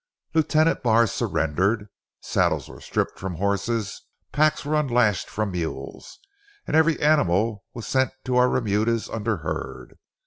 Lieutenant Barr surrendered. Saddles were stripped from horses, packs were unlashed from mules, and every animal was sent to our remudas under herd.